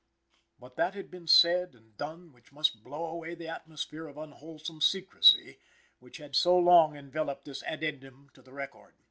But that had been said and done which must blow away the atmosphere of unwholesome secrecy which had so long enveloped this addendum to the record.